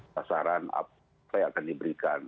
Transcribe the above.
sasaran apa yang akan diberikan